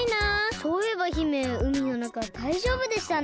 そういえば姫うみのなかだいじょうぶでしたね？